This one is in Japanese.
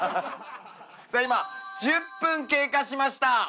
さあ今１０分経過しました。